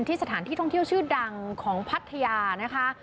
สถานที่ท่องเที่ยวชื่อดังของพัทยานะคะ